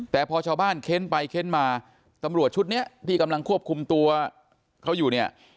แต่พอชาวบ้านเค้นไปเค้นมาตำรวจชุดนี้ที่กำลังควบคุมตัวเขาอยู่เนี่ย